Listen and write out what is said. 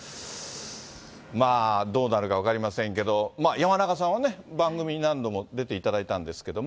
まあ、どうなるか分かりませんけれども、山中さんはね、番組に何度も出ていただいたんですけども。